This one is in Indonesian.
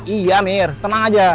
iya mir tenang aja